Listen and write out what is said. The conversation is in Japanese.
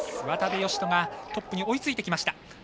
渡部善斗がトップに追いついてきました。